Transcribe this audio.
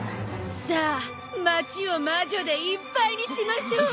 さあ町を魔女でいっぱいにしましょう。